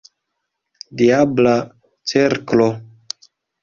Diabla cirklo!